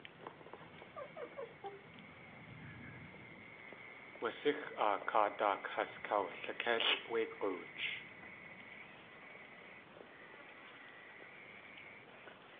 Watsíx áa káa daak has awlikélʼ wé g̲ooch.